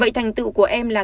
vậy thành tựu của em là em